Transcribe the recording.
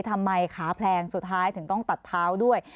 ทำไมขาแพลงสุดท้ายถึงต้องตัดเท้าด้วย